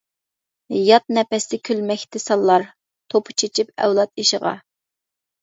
يات نەپەستە كۈلمەكتە سانلار، توپا چېچىپ ئەۋلاد ئېشىغا!